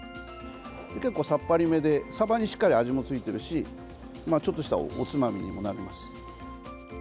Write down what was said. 結構さっぱりめでサバにしっかり味もついてるしちょっとしたおつまみにもなります。